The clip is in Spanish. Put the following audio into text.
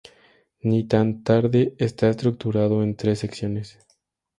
Ni Tan Tarde está estructurado en tres secciones.